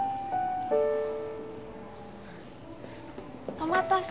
お待たせ。